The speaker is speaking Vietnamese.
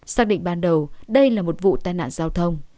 xác định ban đầu đây là một vụ tai nạn giao thông